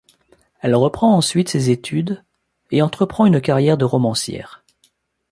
Elle reprend ensuite ses études et entreprend une carrière de romancière.